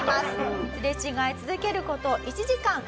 すれ違い続ける事１時間。